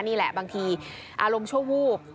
นี่แหละบางทีอารมณ์ชั่ววูบ